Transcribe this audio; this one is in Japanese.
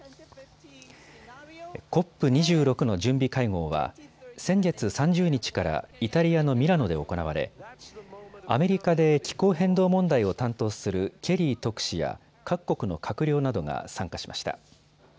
ＣＯＰ２６の準備会合は先月３０日からイタリアのミラノで行われ、アメリカで気候変動問題を担当するケリー特使や各国の閣僚などが参加しました。